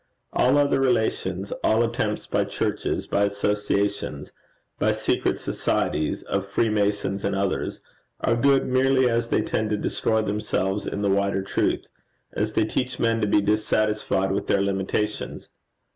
All other relations, all attempts by churches, by associations, by secret societies of Freemasons and others, are good merely as they tend to destroy themselves in the wider truth; as they teach men to be dissatisfied with their limitations.